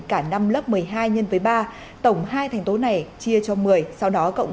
còn đối với công nhân viên chức người lao động